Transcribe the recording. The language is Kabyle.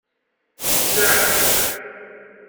S laɛqel.